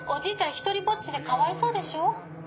ひとりぼっちでかわいそうでしょ」。